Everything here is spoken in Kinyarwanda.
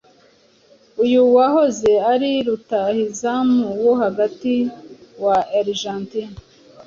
Uyu wahoze ari rutahizamu wo hagati wa Argentine